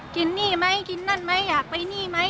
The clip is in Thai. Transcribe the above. กินนี่ไม่กินนั่นไม่อยากไปนี่ไม่